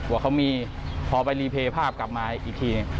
ว่าเขามีพอไปรีเพย์ภาพกลับมาอีกที